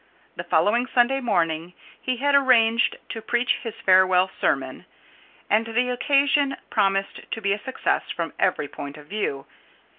The following Sunday morning he had arranged to preach his farewell sermon, and the occasion promised to be a success from every point of view.